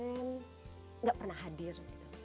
saya tidak pernah hadir